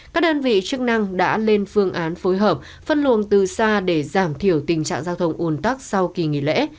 các đơn vị chức năng đã lên phương án phối hợp phân luồng từ xa để giảm thiểu tình trạng giao thông ồn tắc sau kỳ nghỉ lễ